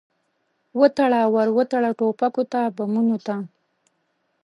وتړه، ور وتړه ټوپکو ته، بمونو ته